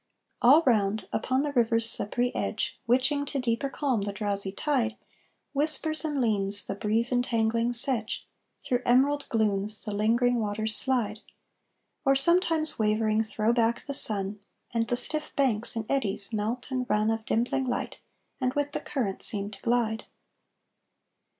All round, upon the river's slippery edge, Witching to deeper calm the drowsy tide, Whispers and leans the breeze entangling sedge; Through emerald glooms the lingering waters slide, Or, sometimes wavering, throw back the sun, And the stiff banks in eddies melt and run Of dimpling light, and with the current seem to glide.